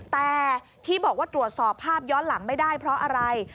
แต่ที่บอกว่าตรวจสอบภาพย้อนหลังไม่ได้เพราะอะไร